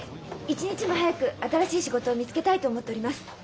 一日も早く新しい仕事を見つけたいと思っております。